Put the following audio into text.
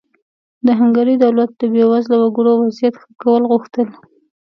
د هنګري دولت د بېوزله وګړو وضعیت ښه کول غوښتل.